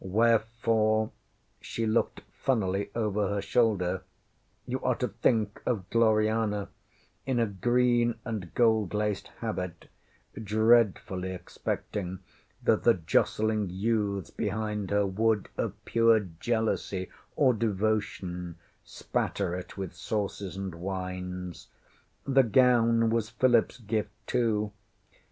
WhereforeŌĆÖ she looked funnily over her shoulder ŌĆśyou are to think of Gloriana in a green and gold laced habit, dreadfully expecting that the jostling youths behind her would, of pure jealousy or devotion, spatter it with sauces and wines. The gown was PhilipŌĆÖs gift, too!